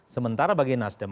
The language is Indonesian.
sementara bagi nasdem